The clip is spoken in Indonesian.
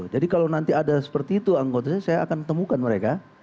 jadi kalau nanti ada seperti itu anggota saya saya akan temukan mereka